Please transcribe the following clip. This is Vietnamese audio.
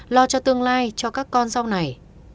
lo cho tương lai cho các con sau này